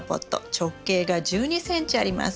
直径が１２ｃｍあります。